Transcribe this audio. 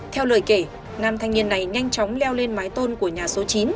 theo lời kể nam thanh niên này nhanh chóng leo lên mái tôn của nhà số chín